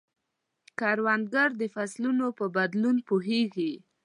کروندګر د فصلونو په بدلون پوهیږي